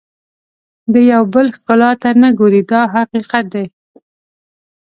د یو بل ښکلا ته نه ګوري دا حقیقت دی.